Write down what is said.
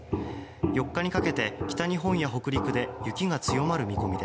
４日にかけて、北日本や北陸で雪が強まる見込みです。